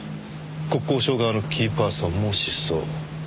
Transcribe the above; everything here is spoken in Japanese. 国交省側のキーパーソンも失踪。